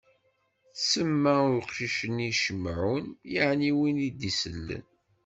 Tsemma i uqcic-nni Cimɛun, yeɛni win i d-isellen.